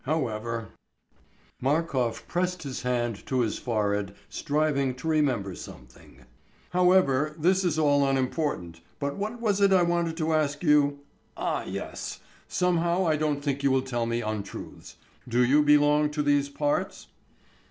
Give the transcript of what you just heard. However ..." Markof pressed his hand to his forehead, striving to remember something "however, this is all unimportant. ... But what was it I wanted to ask you? ... Ah, yes! Somehow I don't think you will tell me untruths. Do you belong to these parts?"